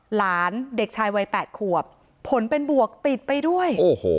หลานเด็กชายวัย๘ขวบผลเป็นบวกติดไปด้วยโอ้โห